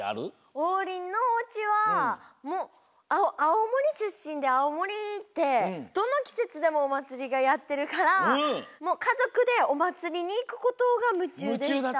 王林のおうちはあおもりしゅっしんであおもりってどのきせつでもおまつりがやってるからかぞくでおまつりにいくことがむちゅうでした。